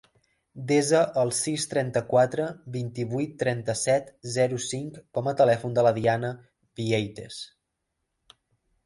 Desa el sis, trenta-quatre, vint-i-vuit, trenta-set, zero, cinc com a telèfon de la Diana Vieites.